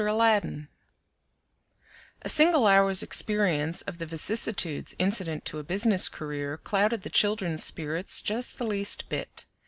ALADDIN A single hour's experience of the vicissitudes incident to a business career clouded the children's spirits just the least bit.